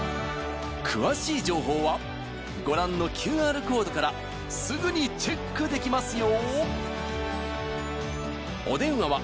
詳しい情報はご覧のＱＲコードからすぐにチェックできますよ